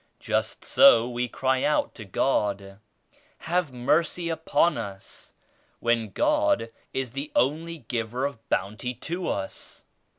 Just so we cry out to God *have mercy upon us* when God is the only Giver of Bounty to us.